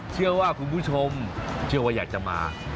เชื่อว่าคุณผู้ชมเชื่อว่าอยากจะมา